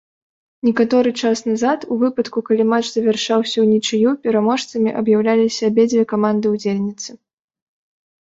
Некаторы час назад у выпадку, калі матч завяршаўся ўнічыю, пераможцамі аб'яўляліся абедзве каманды-ўдзельніцы.